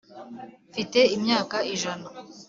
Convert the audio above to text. Mfite imyaka ijana.